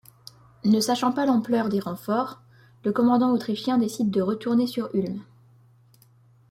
Ne sachant pas l'ampleur des renforts, le commandant autrichien décide de retourner sur Ulm.